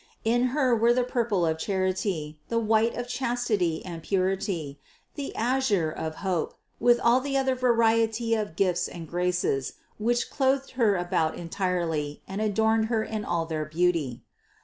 In Her were the purple of charity, the white of chastity and purity, the azure of hope, with all the other variety of gifts and graces, which clothed Her about entirely and adorned Her in all their beauty.